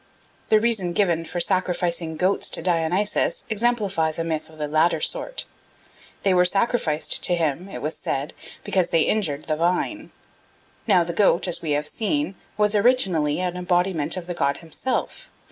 The reason given for sacrificing goats to Dionysus exemplifies a myth of the latter sort. They were sacrificed to him, it was said, because they injured the vine. Now the goat, as we have seen, was originally an embodiment of the god himself.